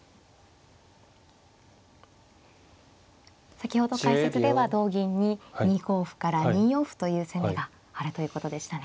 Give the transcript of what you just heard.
先ほど解説では同銀に２五歩から２四歩という攻めがあるということでしたね。